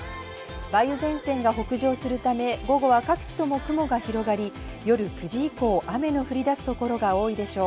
梅雨前線が北上するため、午後は各地とも雲が広がり、夜９時以降、雨の降り出す所が多いでしょう。